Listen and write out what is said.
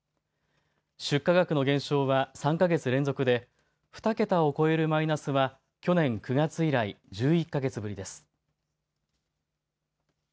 出荷額の減少は３か月連続で２桁を超えるマイナスは去年９月以来、１１か月ぶりです。